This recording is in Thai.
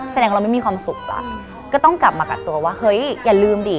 แสดงว่าเราไม่มีความสุขอ่ะก็ต้องกลับมากักตัวว่าเฮ้ยอย่าลืมดิ